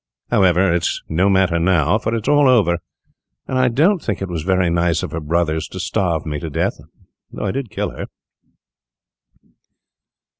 However, it is no matter now, for it is all over, and I don't think it was very nice of her brothers to starve me to death, though I did kill her."